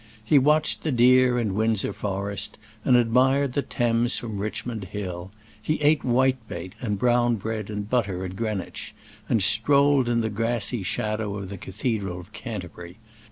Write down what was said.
He watched the deer in Windsor Forest and admired the Thames from Richmond Hill; he ate white bait and brown bread and butter at Greenwich, and strolled in the grassy shadow of the cathedral of Canterbury.